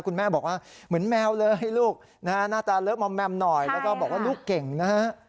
คุณแม่บอกว่าเหมือนแมวเลยลูกนะฮะหน้าตาเลอะมอมแมมหน่อยแล้วก็บอกว่าลูกเก่งนะฮะ